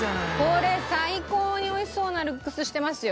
これ最高に美味しそうなルックスしてますよ。